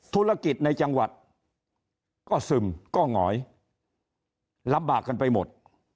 ธุรกิจในจังหวัดก็ซึมก็หงอยลำบากกันไปหมด